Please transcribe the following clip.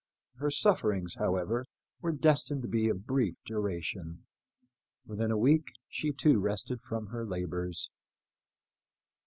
Her sufferings, however, were destined to be of brief duration. Within a week she too rested from her labors.